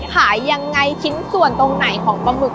ขายยังไงชิ้นส่วนตรงไหนของปลาหมึก